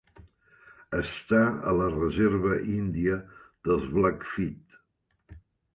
Està a la reserva índia dels Blackfeet.